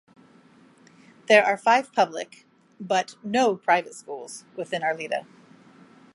There are five public but no private schools within Arleta.